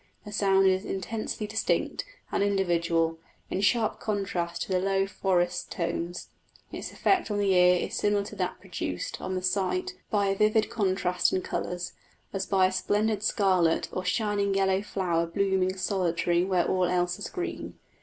The sound is intensely distinct and individual, in sharp contrast to the low forest tones: its effect on the ear is similar to that produced on the sight by a vivid contrast in colours, as by a splendid scarlet or shining yellow flower blooming solitary where all else is green.